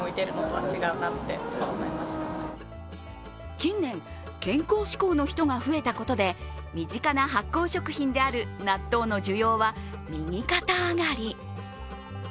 近年、健康志向の人が増えたことで身近な発酵食品である納豆の需要は右肩上がり。